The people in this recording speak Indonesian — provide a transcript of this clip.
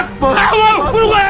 kau mau keluar atau pergi